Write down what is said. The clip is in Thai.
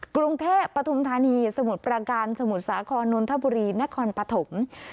กรุงเทพปฐุมธานีสมุทรประการสมุทรสาครนนทบุรีนครปฐม